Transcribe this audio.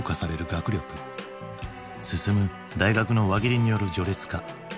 進む大学の輪切りによる序列化。